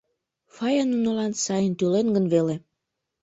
Фая нунылан сайын тӱлен гын веле?